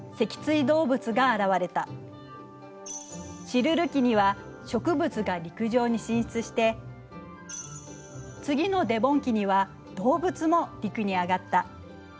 シルル紀には植物が陸上に進出して次のデボン紀には動物も陸に上がった。